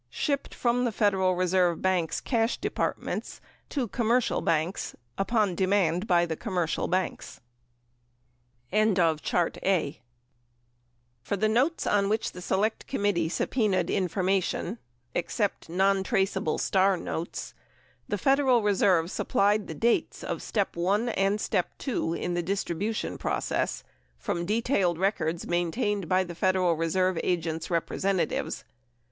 Shipped from the Federal Reserve banks (cash departments) to com mercial banks upon demand by the commercial banks. For notes on which the Select Committee subpenaed information — except nontraceable "star" notes — the Federal Reserve supplied the dates of step (1) and step (2) in the distribution process from detailed records maintained by the Federal Reserve agents' representatives.